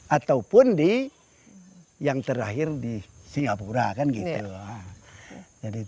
ataupun di yang terakhir di singapura